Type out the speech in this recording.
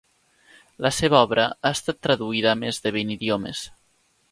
La seva obra ha estat traduïda a més de vint idiomes.